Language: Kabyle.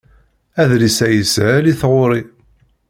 Adlis-a yeshel i tɣuri.